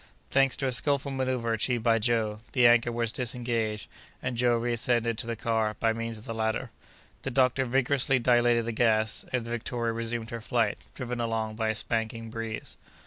Thanks to a skilful manœuvre achieved by Joe, the anchor was disengaged, and Joe reascended to the car by means of the ladder. The doctor vigorously dilated the gas, and the Victoria resumed her flight, driven along by a spanking breeze.